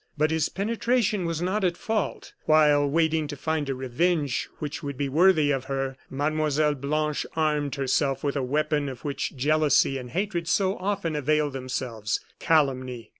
But his penetration was not at fault. While waiting to find a revenge which would be worthy of her, Mlle. Blanche armed herself with a weapon of which jealousy and hatred so often avail themselves calumny.